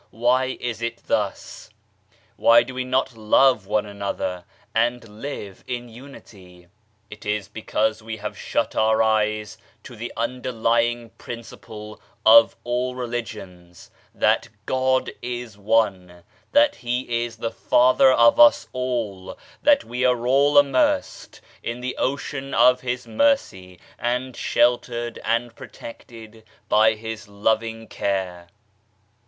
Why is it thus ? Why do we not love one another and live in unity ? It is because we have shut our eyes to the underlying principle of all religions, that God is one, that He is the Father of us all, that we are all immersed in the ocean of His Mercy and sheltered and protected by His loving care.